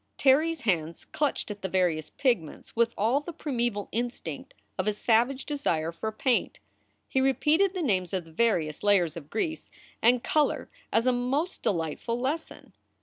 Terry s hands clutched at the various pigments with all the primeval instinct of a savage desire for paint. He repeated the names of the various layers of grease and color as a most delightful lesson.